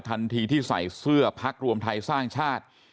ทันทีที่ใส่เสื้อพักรวมไทยสร้างชาติ